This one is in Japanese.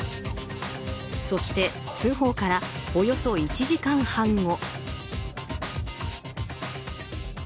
そして、通報からおよそ１時間半後。